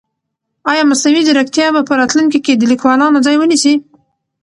آیا مصنوعي ځیرکتیا به په راتلونکي کې د لیکوالانو ځای ونیسي؟